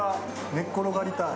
寝っ転がりたい。